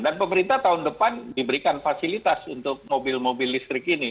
dan pemerintah tahun depan diberikan fasilitas untuk mobil mobil listrik ini